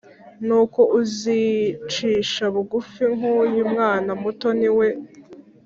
Nuko uzicisha bugufi nk uyu mwana muto ni we